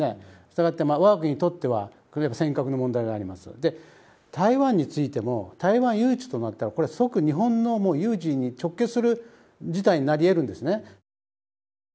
従って我が国にとっては尖閣の問題がありますで台湾についても台湾有事となったらこれは即日本のもう有事に直結する事態になり得るんですね